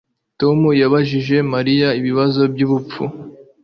Tom yabajije Mariya ibibazo byubupfu